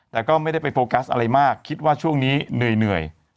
แต่ก็ไม่ได้ไปโฟกัสอะไรมากคิดว่าช่วงนี้เหนื่อย